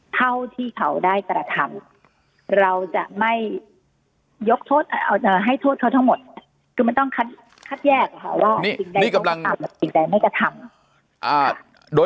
เท่าที่เขาได้กระทำเราจะไม่ให้โทษเขาทั้งหมด